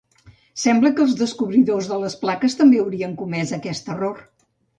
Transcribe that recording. Sembla que els descobridors de les plaques també haurien comés aquest error.